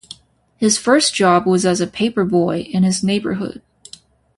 His first job was as a paperboy, in his neighborhood.